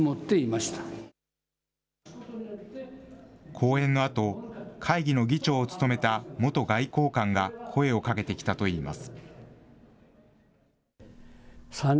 講演のあと、会議の議長を務めた元外交官が声をかけてきたといいます。